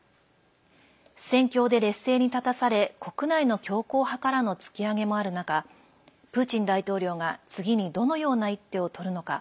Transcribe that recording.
戦況で劣勢に立たされ国内の強硬派からの突き上げもある中プーチン大統領が次にどのような一手をとるのか。